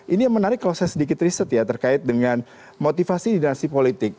ini yang menarik kalau saya sedikit riset ya terkait dengan motivasi dinasti politik